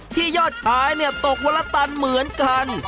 ที่ยอดท้ายตกวัลตันเหมือนกัน